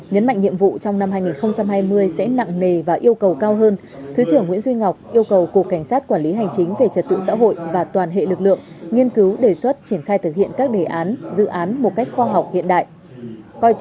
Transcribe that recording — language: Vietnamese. nhấn mạnh nhiệm vụ trong năm hai nghìn hai mươi sẽ nặng nề và yêu cầu cao hơn thứ trưởng nguyễn duy ngọc yêu cầu cục cảnh sát quản lý hành chính về trật tự xã hội và toàn hệ lực lượng nghiên cứu đề xuất triển khai thực hiện các đề án dự án một cách khoa học hiện đại